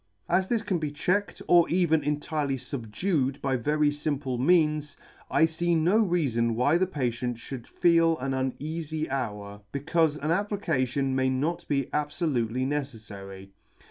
As this can be checked, or even entirely fubdued by very fimple means, I fee no reafon why the patient fhould feel an uneafy hour, becaufe an application may not be abfolutely neceffary.